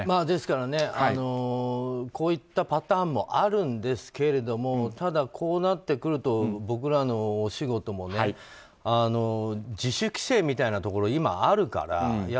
ですから、こういったパターンもあるんですけれどもただ、こうなってくると僕らのお仕事も自主規制みたいなところが今あるから。